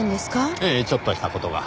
ええちょっとした事が。